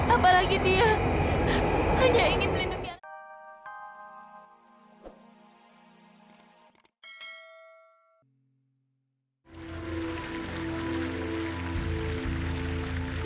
apalagi dia hanya ingin melindungi aku